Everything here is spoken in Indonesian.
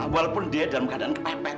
walaupun dia dalam keadaan kepepet